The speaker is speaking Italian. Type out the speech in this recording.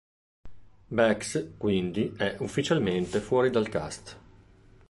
Bex, quindi, è ufficialmente fuori dal cast.